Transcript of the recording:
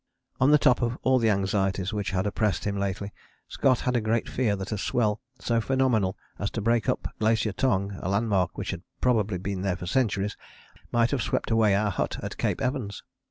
On the top of all the anxieties which had oppressed him lately Scott had a great fear that a swell so phenomenal as to break up Glacier Tongue, a landmark which had probably been there for centuries, might have swept away our hut at Cape Evans.